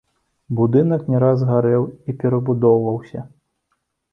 Будынак не раз гарэў і перабудоўваўся.